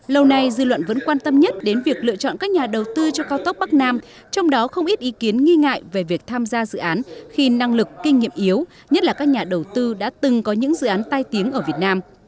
lâu nay dư luận vẫn quan tâm nhất đến việc lựa chọn các nhà đầu tư cho cao tốc bắc nam trong đó không ít ý kiến nghi ngại về việc tham gia dự án khi năng lực kinh nghiệm yếu nhất là các nhà đầu tư đã từng có những dự án tai tiếng ở việt nam